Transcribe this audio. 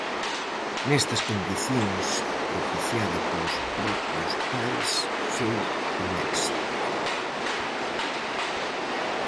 Nestas condicións, propiciada polos propios pais, foi un éxito.